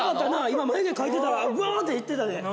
今眉毛描いてたらわーっていってたで。